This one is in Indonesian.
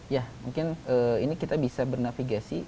ya mungkin ini kita bisa bernavigasi